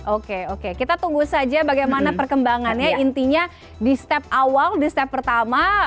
oke oke kita tunggu saja bagaimana perkembangannya intinya di step awal di step pertama